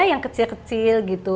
yang kecil kecil gitu